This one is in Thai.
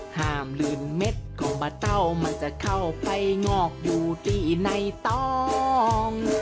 ห้ามลืนเม็ดของบะเต้ามันจะเข้าไปงอกอยู่ที่ในตอง